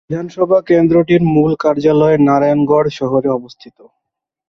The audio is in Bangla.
বিধানসভা কেন্দ্রটির মূল কার্যালয় নারায়ণগড় শহরে অবস্থিত।